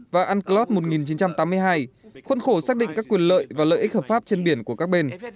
và unclos một nghìn chín trăm tám mươi hai khuân khổ xác định các quyền lợi và lợi ích hợp pháp trên biển của các bên